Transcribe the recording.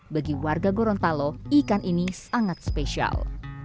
bagi warga gorontalo ikan ini sangat spesial